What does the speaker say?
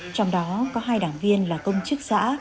trong đó có hai đảng viên là công chức xã